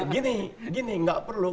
gini gini nggak perlu